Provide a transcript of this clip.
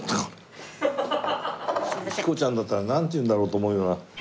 彦ちゃんだったらなんて言うんだろうと思うような。